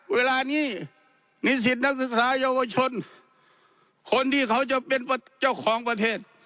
เวลานี้นิสิตนักศึกษาเยาวชนคนที่เขาจะเป็นเจ้าของประเทศ